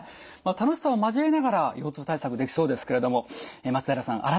まあ楽しさを交えながら腰痛対策できそうですけれども松平さん